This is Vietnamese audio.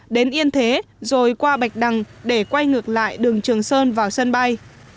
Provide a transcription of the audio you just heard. đến yên thế rồi qua bạch đằng để quay ngược lại đường trường sơn vào sân bay